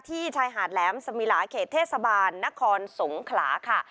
ชายหาดแหลมสมิลาเขตเทศบาลนครสงขลาค่ะ